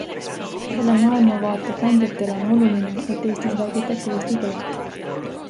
Selle maailmavaate kandjatele on oluline, et Eestis räägitakse eesti keelt.